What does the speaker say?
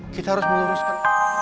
kita harus meluruskan